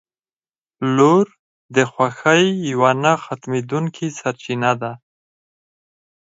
• لور د خوښۍ یوه نه ختمېدونکې سرچینه ده.